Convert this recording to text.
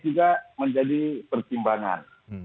juga menjadi pertimbangan